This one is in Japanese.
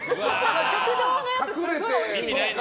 食堂のやつすごいおいしいから。